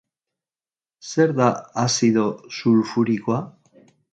Zer da azido sulfurikoa?